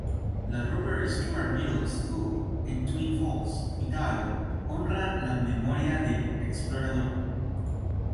La Robert Stuart Middle School en Twin Falls, Idaho, honra la memoria del explorador.